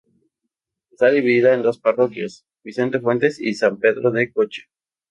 Está dividido en dos parroquias, Vicente Fuentes y San Pedro de Coche.